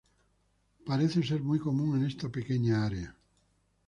Parece ser muy común en esta pequeña área.